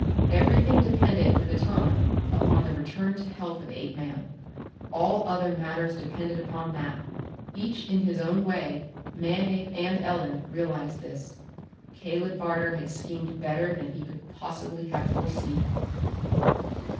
Everything depended for the time upon the return to health of Apeman. All other matters depended upon that. Each in his own way, Manape and Ellen, realized this. Caleb Barter had schemed better than he could possibly have foreseen.